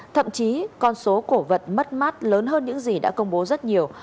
thậm chí con số cổ vật mất mát lớn hơn những gì đã công bố rất nhiều